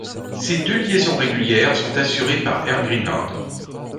Ces deux liaisons régulières sont assurées par Air Greenland.